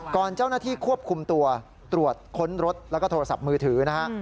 เจ้าหน้าที่ควบคุมตัวตรวจค้นรถแล้วก็โทรศัพท์มือถือนะฮะ